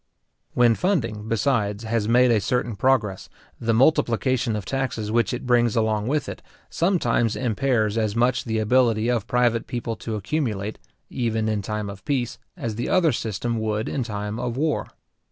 When funding, besides, has made a certain progress, the multiplication of taxes which it brings along with it, sometimes impairs as much the ability of private people to accumulate, even in time of peace, as the other system would in time of war.